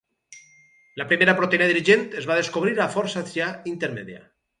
La primera proteïna dirigent es va descobrir a "Forsythia intermedia".